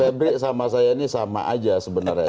febrik sama saya ini sama aja sebenarnya